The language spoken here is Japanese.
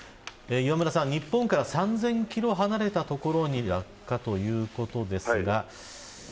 磐村さん、日本から３０００キロ離れた所に落下ということですが。